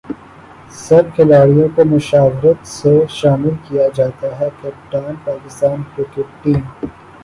سب کھلاڑیوں کومشاورت سےشامل کیاجاتاہےکپتان پاکستان کرکٹ ٹیم